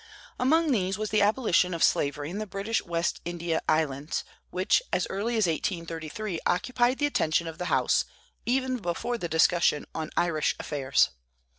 Among these was the abolition of slavery in the British West India Islands, which as early as 1833 occupied the attention of the House, even before the discussion on Irish affairs.